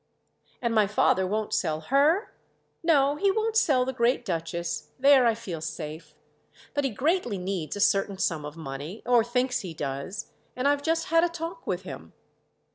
"And my father won't sell her? No, he won't sell the great Duchess—there I feel safe. But he greatly needs a certain sum of money—or he thinks he does—and I've just had a talk with him."